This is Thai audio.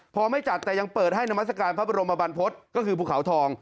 พอไม่จัดแต่ยังเปิดให้นามัศกาลพระบรมบรรพฤษก็คือภูเขาทอง